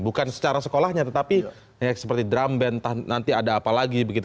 bukan secara sekolahnya tetapi seperti drum band nanti ada apa lagi begitu